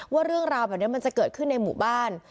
ว่าเรื่องราวแบบนี้มันจะเกิดขึ้นในหมู่บ้าน